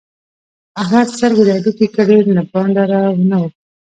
احمد سترګې د هډوکې کړې؛ له بانډاره و نه وت.